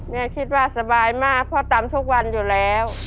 คิดว่าสบายมากเพราะตำทุกวันอยู่แล้ว